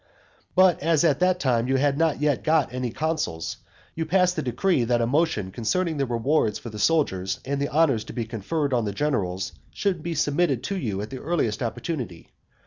But as at that time you had not yet got any consuls, you passed a decree that a motion concerning the rewards for the soldiers and the honours to be conferred on the generals should be submitted to you at the earliest opportunity.